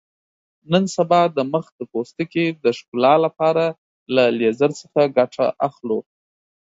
نن سبا د مخ د پوستکي د ښکلا لپاره له لیزر څخه ګټه اخلو.